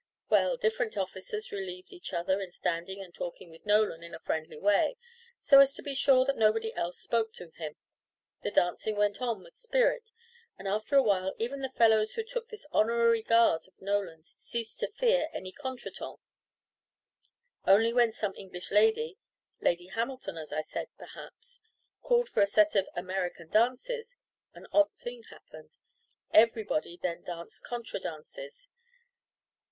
Well, different officers relieved each other in standing and talking with Nolan in a friendly way, so as to be sure that nobody else spoke to him. The dancing went on with spirit, and after a while even the fellows who took this honorary guard of Nolan ceased to fear any contretemps. Only when some English lady Lady Hamilton, as I said, perhaps called for a set of "American dances," an odd thing happened. Everybody then danced contra dances.